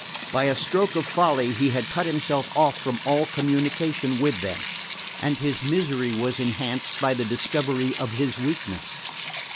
By a stroke of folly he had cut himself off from all communication with them, and his misery was enhanced by the discovery of his weakness.